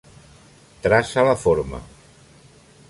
Traça la forma.